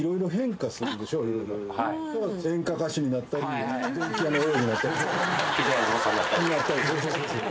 だから演歌歌手になったり電気屋のおやじになったりね。